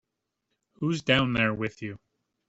Who's down there with you?